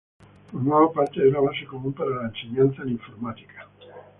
Formaba parte de una base común para la enseñanza en informática.